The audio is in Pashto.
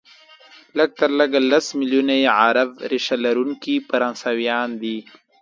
لږ تر لږه لس ملیونه یې عرب ریشه لرونکي فرانسویان دي،